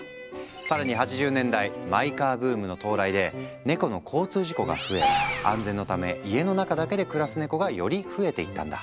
更に８０年代マイカーブームの到来でネコの交通事故が増え安全のため家の中だけで暮らすネコがより増えていったんだ。